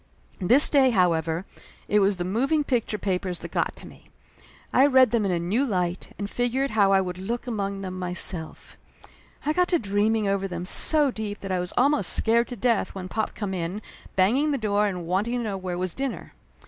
This day, however, it was the moving picture pa pers that got to me. I read them in a new light, and figured how would I look among them myself. I got to dreaming over them so deep that I was almost scared to death when pop come in, banging the door and wanting to know where was dinner.